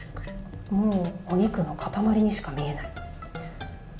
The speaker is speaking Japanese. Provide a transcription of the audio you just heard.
もう、お肉の塊にしか見えない。